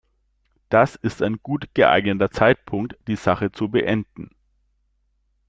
Das ist ein gut geeigneter Zeitpunkt, die Sache zu beenden.